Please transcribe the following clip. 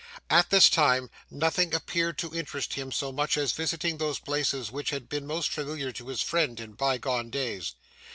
At this time, nothing appeared to interest him so much as visiting those places which had been most familiar to his friend in bygone days.